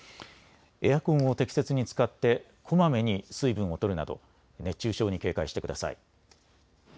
エアコンを適切に使ってこまめに水分をとるなど熱中症に警戒してください。